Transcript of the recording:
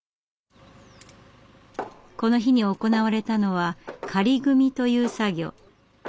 この日に行われたのは「仮組み」という作業。